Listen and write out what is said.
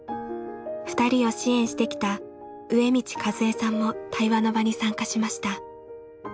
２人を支援してきた上道和恵さんも対話の場に参加しました。